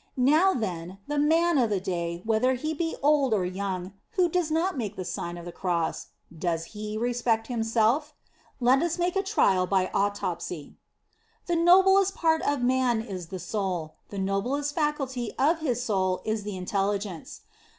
Now, then, the man of the day, whether he be old or young, who does not make the Sign of the Cross, does he respect himself? Let us make a trial by autopsy. The noblest part of man is the soul; the noblest faculty of his soul is the intelligence.